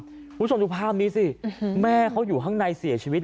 คุณผู้ชมดูภาพนี้สิแม่เขาอยู่ข้างในเสียชีวิต